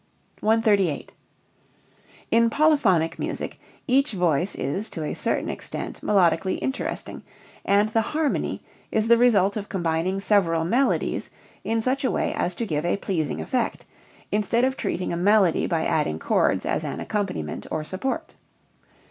138. In polyphonic music each voice is to a certain extent melodically interesting, and the "harmony" is the result of combining several melodies in such a way as to give a pleasing effect, instead of treating a melody by adding chords as an accompaniment or support.